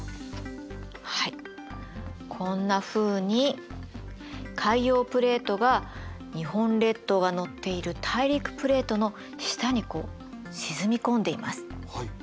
はいこんなふうに海洋プレートが日本列島がのっている大陸プレートの下にこう沈み込んでいます。